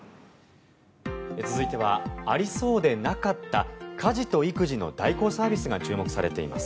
続いてはありそうでなかった家事と育児の代行サービスが注目されています。